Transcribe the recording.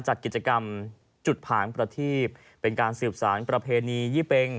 จัดกิจกรรมจุดผางประทีบเป็นการสืบสารประเพณียี่เป็ง